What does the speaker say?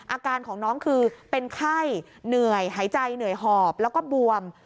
อาการของน้องคือเป็นไข้เหนื่อยหายใจเหนื่อยหอบแล้วก็บวม